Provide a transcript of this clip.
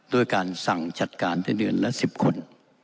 ด้วยการสั่งจัดการได้เดือนละ๑๐คน